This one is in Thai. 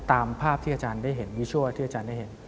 ตามภาพที่อาจารย์ได้เห็นวิชั่วที่อาจารย์ได้เห็น